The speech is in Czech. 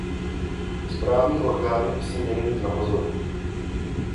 Správní orgány by se měly mít napozoru.